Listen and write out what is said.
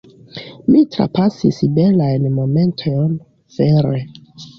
mi trapasis belajn momentojn, vere!